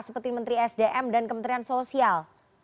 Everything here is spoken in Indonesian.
seperti menteri sdm dan kementerian sosial